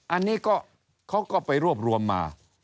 อันนี้ก็เขาก็ไปรวบรวมมา